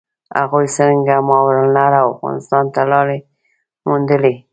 هغوی څرنګه ماورالنهر او افغانستان ته لارې وموندلې؟